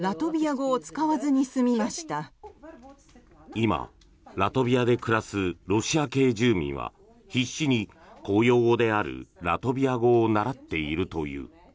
今、ラトビアで暮らすロシア系住民は必死に公用語であるラトビア語を習っているという。